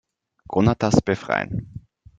Gonatas befreien.